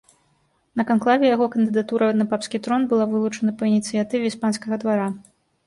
На канклаве яго кандыдатура на папскі трон была вылучана па ініцыятыве іспанскага двара.